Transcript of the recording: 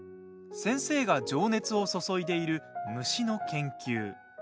先生が情熱を注いでいる虫の研究。